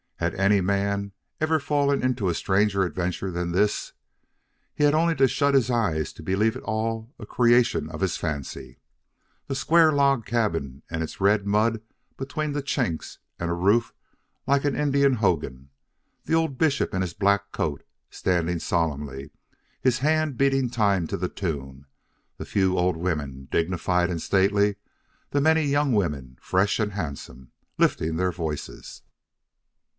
Had any man ever fallen into a stranger adventure than this? He had only to shut his eyes to believe it all a creation of his fancy the square log cabin with its red mud between the chinks and a roof like an Indian hogan the old bishop in his black coat, standing solemnly, his hand beating time to the tune the few old women, dignified and stately the many young women, fresh and handsome, lifting their voices.